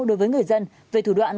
đối với người dân về thủ đoạn